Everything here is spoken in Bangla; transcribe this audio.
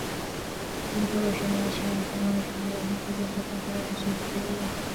তিনি পুষিয়ে নিয়েছিলেন তার মানসিক হিসাবনিকাশে দক্ষতা ও অসাধারণ স্মৃতিশক্তি দিয়ে।